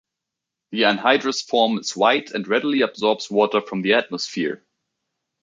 The anhydrous form is white and readily absorbs water from the atmosphere.